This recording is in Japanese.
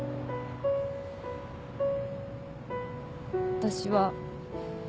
私は。